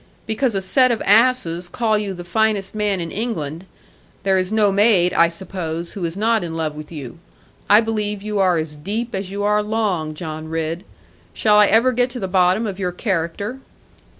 Because a set of asses call you the finest man in England; there is no maid (I suppose) who is not in love with you. I believe you are as deep as you are long, John Ridd. Shall I ever get to the bottom of your character?'